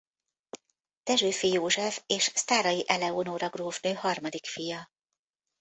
Dessewffy József és Sztáray Eleonóra grófnő harmadik fia.